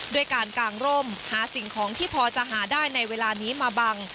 ด้วยการกางร่มหาสิ่งของที่พอจะหาได้ในเวลานี้มาบัง